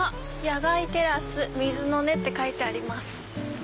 「野外テラス水の音」って書いてあります。